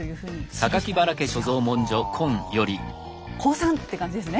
降参って感じですね。